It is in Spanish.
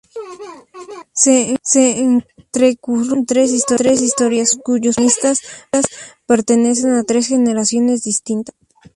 Se entrecruzan tres historias, cuyos protagonistas pertenecen a tres generaciones distintas.